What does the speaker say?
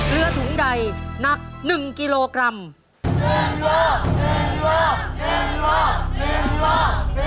เหลือถุงใดนัก๑กิโลกรัม